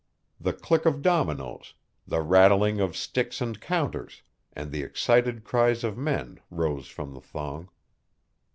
The click of dominoes, the rattling of sticks and counters, and the excited cries of men, rose from the throng.